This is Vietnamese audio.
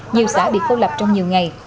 nhiều xã bị phô lập trong nhiều ngày